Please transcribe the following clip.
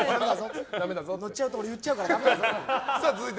乗っちゃうと言っちゃうからダメだぞって。